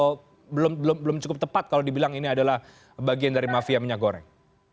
atau belum cukup tepat kalau dibilang ini adalah bagian dari mafia minyak goreng